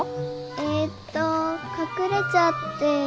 えっと隠れちゃって。